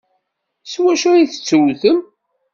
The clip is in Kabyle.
S wacu ay tettewtem?